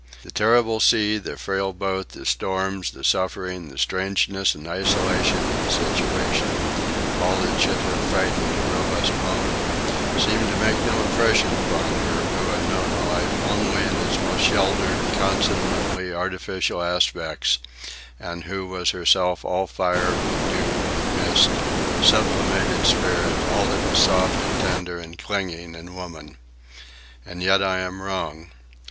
The terrible sea, the frail boat, the storms, the suffering, the strangeness and isolation of the situation,—all that should have frightened a robust woman,—seemed to make no impression upon her who had known life only in its most sheltered and consummately artificial aspects, and who was herself all fire and dew and mist, sublimated spirit, all that was soft and tender and clinging in woman. And yet I am wrong.